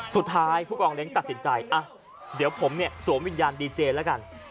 สุดท้ายผู้กองเล็งตัดสินใจเดี๋ยวผมเนี้ยสวมวิญญาณดีเจนละกัน